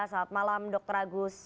selamat malam dr agus